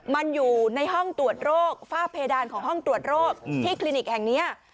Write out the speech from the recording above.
มันอยู่ในห้องตรวจโรคฝ้าเพดานของห้องตรวจโรคที่คลินิกแห่งนี้